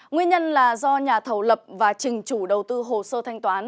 nguyên nhân là do nhà thầu lập và trình chủ đầu tư hồ sơ thanh toán